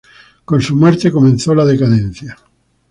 Con su muerte comenzó la decadencia.